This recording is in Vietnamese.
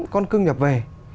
con cưng nhập về